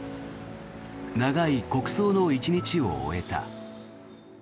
長い国葬の１日を終えた。